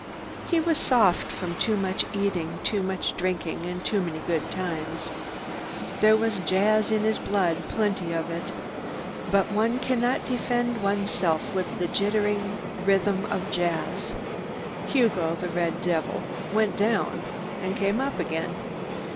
He was soft from too much eating, too much drinking and too many good times. There was jazz in his blood, plenty of it. But one cannot defend one's self with the jittering rhythm of jazz. Hugo, the red devil, went down and came up again.